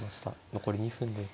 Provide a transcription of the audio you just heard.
残り２分です。